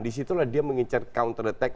di situlah dia mengincar counter attack